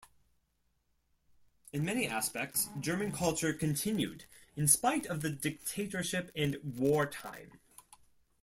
In many aspects, German culture continued in spite of the dictatorship and wartime.